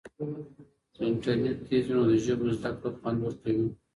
که انټرنیټ تېز وي نو د ژبو زده کړه خوند ورکوي.